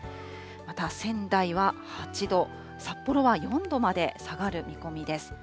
また仙台は８度、札幌は４度まで下がる見込みです。